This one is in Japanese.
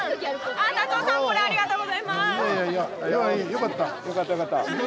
よかった。